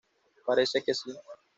Parece que sí".